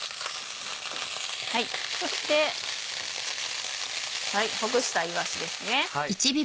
そしてほぐしたいわしですね。